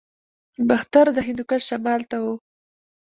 باختر د هندوکش شمال ته و